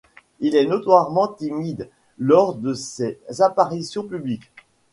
Il est notoirement timide lors de ses apparitions publiques.